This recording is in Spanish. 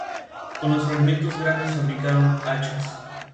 Cada una se centra en un misterio o personaje específico.